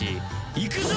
いくぞ！